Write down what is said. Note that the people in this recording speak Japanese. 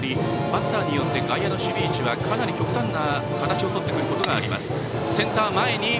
バッターによって外野の守備位置はかなり極端な位置を取ってくることがあります。